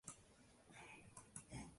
Marhamat, kiyimingizni yechib qo'ying.